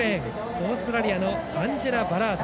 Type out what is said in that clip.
オーストラリアのアンジェラ・バラード。